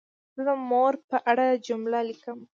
زه د مور په اړه جمله لیکم.